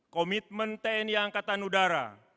komitmen tni angkatan udara